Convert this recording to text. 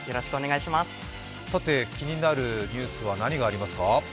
気になるニュースは何がありますか？